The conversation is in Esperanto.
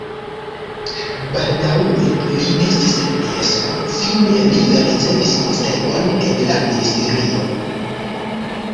Baldaŭe li estis lernejestro, fine li ricevis postenon en la ministerio.